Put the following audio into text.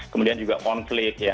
kemudian juga konflik ya